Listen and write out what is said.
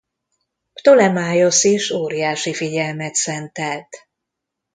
Ptolemaiosz is óriási figyelmet szentelt.